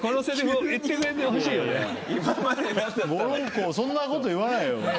御老公そんなこと言わないよ。